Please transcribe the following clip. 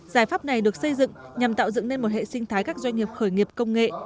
giải pháp này được xây dựng nhằm tạo dựng nên một hệ sinh thái các doanh nghiệp khởi nghiệp công nghệ